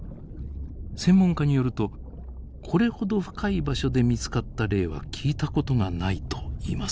専門家によるとこれほど深い場所で見つかった例は聞いたことがないといいます。